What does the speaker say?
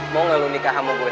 mau gak lu nikah sama gue